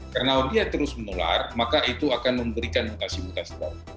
karena kalau dia terus menular maka itu akan memberikan mutasi mutasi baru